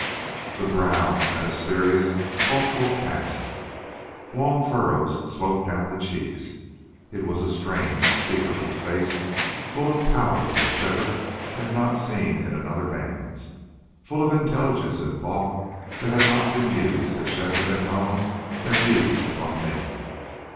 The brow had a serious, thoughtful cast; long furrows sloped down the cheeks. It was a strange, secretive face, full of a power that Shefford had not seen in another man's, full of intelligence and thought that had not been used as Shefford had known them used among men.